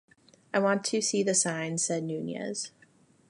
"I want to see the signs", said Nunez.